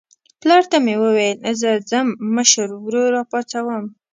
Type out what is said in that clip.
پلار ته مې وویل زه ځم مشر ورور راپاڅوم.